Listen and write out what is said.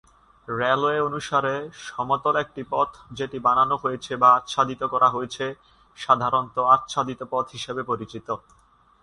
Railway অনুসারে, সমতল একটি পথ যেটি বানানো হয়েছে বা আচ্ছাদিত করা হয়েছে সাধারণত "আচ্ছাদিত পথ" হিসেবে পরিচিত।